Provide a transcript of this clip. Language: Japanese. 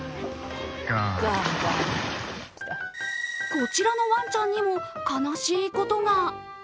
こちらのワンちゃんにも悲しいことが。